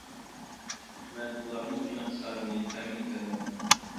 مەن ئۇلارنىڭ ئېنىق سانىنى تەمىن ئېتەلمەيمەن.